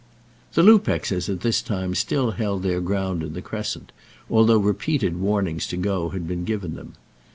The Lupexes at this time still held their ground in the Crescent, although repeated warnings to go had been given them.